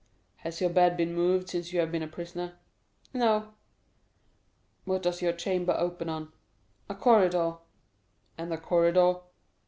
"Has your bed been moved since you have been a prisoner?" "No." "What does your chamber open on?" "A corridor." "And the corridor?"